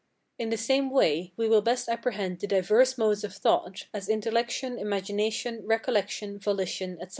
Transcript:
In the same way we will best apprehend the diverse modes of thought, as intellection, imagination, recollection, volition, etc.